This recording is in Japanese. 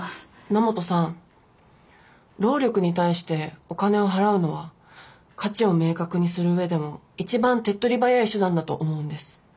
野本さん労力に対してお金を払うのは価値を明確にする上でも一番手っ取り早い手段だと思うんです。